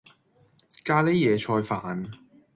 咖喱野菜飯